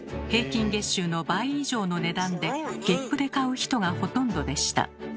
平均月収の倍以上の値段で月賦で買う人がほとんどでした。